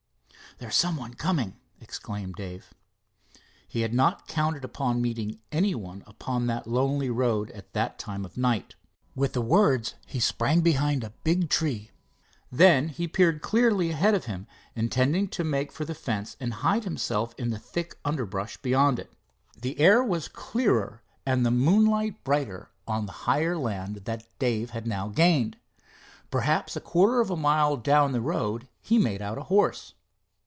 "There's some one coming," exclaimed Dave. He had not counted upon meeting any one upon that lonely road at that time of the night. With the words he sprang behind a big tree. Then he peered keenly ahead of him, intending to make for the fence and hide himself in the thick underbrush beyond it. The air was clearer and the moonlight brighter on the higher land Dave had now gained. Perhaps a quarter of a mile down the road he made out a horse.